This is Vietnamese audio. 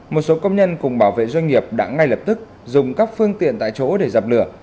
một số công nhân cùng bảo vệ doanh nghiệp đã ngay lập tức dùng các phương tiện tại chỗ để dập lửa